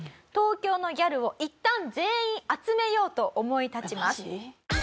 東京のギャルをいったん全員集めようと思い立ちます。